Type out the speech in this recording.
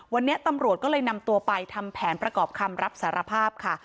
วันนี้ตำรวจก็เลยนำตัวไปทำแผนประกอบคำรับสารภาพค่ะ